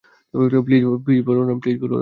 Please, Balaram.